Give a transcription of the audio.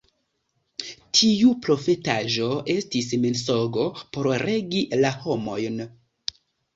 Tiu profetaĵo estis mensogo por regi la homojn.